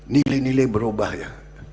nilai nilai berubah ya